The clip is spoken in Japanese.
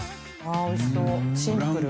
あおいしそうシンプル。